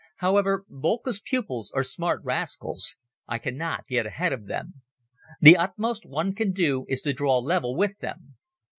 However, Boelcke's pupils are smart rascals. I cannot get ahead of them. The utmost one can do is to draw level with them.